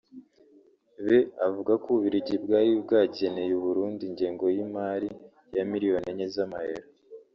be avuga ko u Bubiligi bwari bwageneye u Burundi ingengo y’imari ya miliyoni enye z’amayero